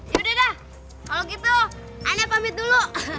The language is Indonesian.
ya udah dah kalau gitu aneh pamit dulu